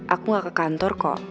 aku gak ke kantor kok